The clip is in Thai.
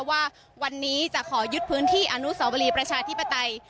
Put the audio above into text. ว่าวันนี้จะขอยึดพื้นที่อนุสาวรีประชาธิปไตย